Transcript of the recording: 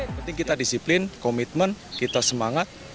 yang penting kita disiplin komitmen kita semangat